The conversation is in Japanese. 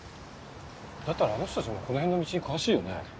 だったらあの人たちもこの辺の道に詳しいよね？